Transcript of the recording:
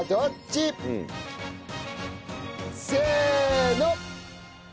せーの！